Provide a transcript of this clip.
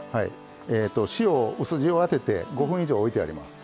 塩を薄塩当てて５分以上おいてあります。